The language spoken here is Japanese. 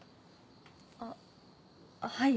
あっはい